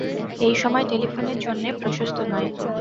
এই সময় টেলিফোনের জন্যে প্রশস্ত নয়।